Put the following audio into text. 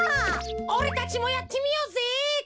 おれたちもやってみようぜ。